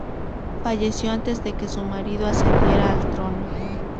Falleció antes de que su marido ascendiera al trono.